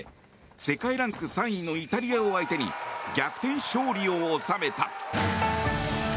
世界ランク３位のイタリアを相手に逆転勝利を収めた。